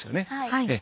はい。